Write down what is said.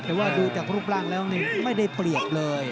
แต่ว่าดูจากรูปร่างแล้วนี่ไม่ได้เปรียบเลย